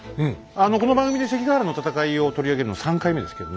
この番組で関ヶ原の戦いを取り上げるの３回目ですけどね。